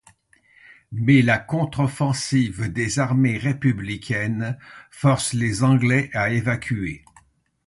Mais la contre-offensive des armées républicaines force les Anglais à évacuer.